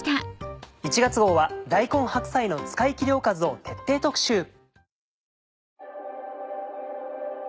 １月号は大根・白菜の使いきりおかずを徹底特集。